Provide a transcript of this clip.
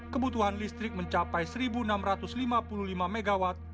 kebutuhan listrik mencapai satu enam ratus lima puluh lima mw